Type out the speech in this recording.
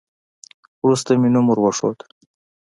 وروسته مې نوم ور وښود.